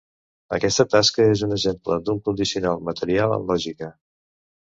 Aquesta tasca és un exemple d'un condicional material en lògica.